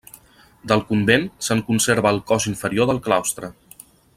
Del convent, se'n conserva el cos inferior del claustre.